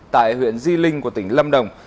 tại huyện di linh của tỉnh lâm đồng